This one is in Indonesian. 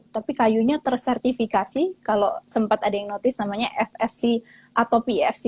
tapi kayunya tersertifikasi kalau sempat ada yang notice namanya fsc atau pfc